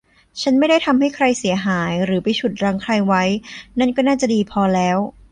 ฉันไม่ได้ทำให้ใครเสียหายหรือไปฉุดรั้งใครไว้ นั่นก็น่าจะดีพอแล้ว